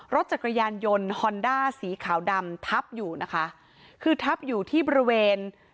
รถจักรยานยนต์ฮอนด้าสีขาวดำทับอยู่นะคะคือทับอยู่ที่บริเวณ